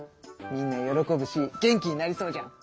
みんな喜ぶし元気になりそうじゃん！